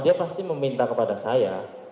dia pasti meminta kepada saya